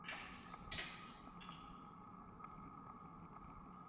Múzquiz respondió que no tenía dinero para mandarlo a arreglar.